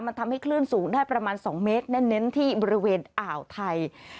มันทำให้คลื่นสูงได้ประมาณ๒เมตรเน้นที่บริเวณอ่าวไทย